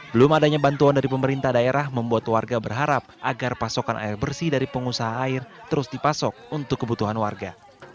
belum adanya bantuan dari pemerintah daerah membuat warga berharap agar pasokan air bersih dari pengusaha air terus dipasok untuk kebutuhan warga